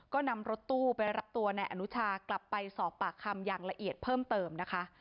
ก็นำรถตู้ไปรับตัวนายอนุชากลับไปสอบปากคำอย่างละเอียดเพิ่มเติมนะคะ